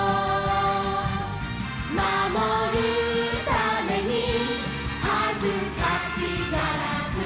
「まもるためにはずかしがらず」